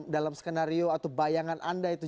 dalam skenario atau bayangan anda itu